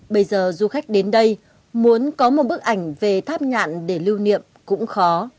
bây giờ du khách đến đây muốn có một bức ảnh về tháp ngạn để lưu niệm cũng khó